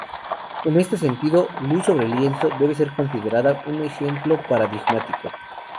En este sentido, "Luz sobre lienzo" debe ser considerada un ejemplo paradigmático.